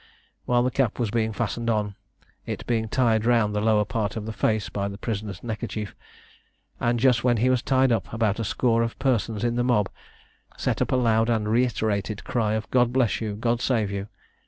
While the cap was being fastened on, it being tied round the lower part of the face by the prisoner's neckerchief, and just when he was tied up, about a score of persons in the mob set up a loud and reiterated cry of "God bless you!" "God save you!"